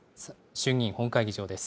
衆議院本会議場です。